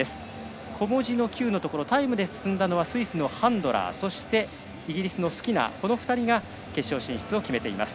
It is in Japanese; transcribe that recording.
小文字のｑタイムで進んだのはスイスのハンドラーそして、イギリスのスキナーこの２人が決勝進出を決めています。